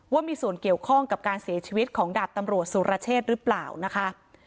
ว่ามีส่วนเกี่ยวข้องกับการเสียชีวิตของดาบตำรวจสุรเชษหรือเปล่านะคะ